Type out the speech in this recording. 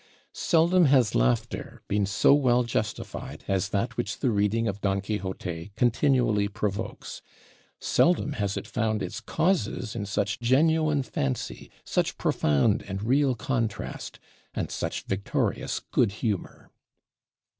Seldom has laughter been so well justified as that which the reading of 'Don Quixote' continually provokes; seldom has it found its causes in such genuine fancy, such profound and real contrast, and such victorious good humor.